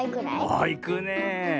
ああいくねえ。